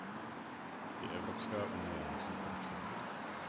I Evropská unie musí pracovat.